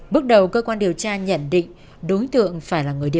bước đầu cơ quan điều tra nhận định